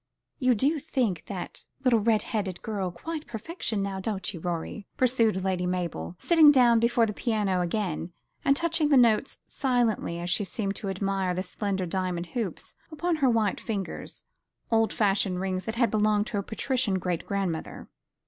You do think that little red haired girl quite perfection, now don't you, Rorie?" pursued Lady Mabel, sitting down before the piano again, and touching the notes silently as she seemed to admire the slender diamond hoops upon her white fingers old fashioned rings that had belonged to a patrician great grandmother.